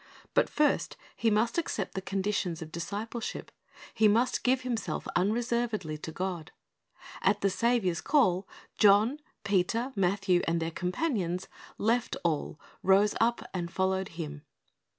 But first he must accept the conditions of discipleship. He must give himself unreservedly to God. At the Saviour's call, John, Peter, Matthew, and their companions "left all, rose up, and followed Him."